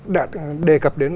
và còn đề cập đến